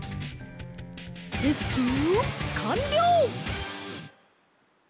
レスキューかんりょう！